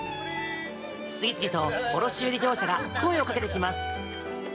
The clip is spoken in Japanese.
次々と卸売業者が声をかけてきます。